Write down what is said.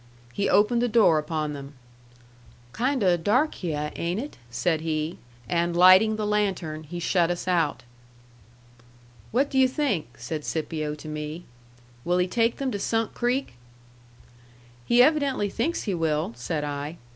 He opened the door upon them. "Kind o' dark hyeh, ain't it?" said he. And lighting the lantern, he shut us out. "What do yu' think?" said Scipio to me. "Will he take them to Sunk Creek?" "He evidently thinks he will," said I.